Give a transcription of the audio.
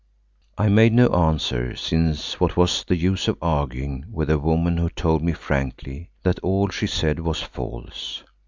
I made no answer, since what was the use of arguing with a woman who told me frankly that all she said was false.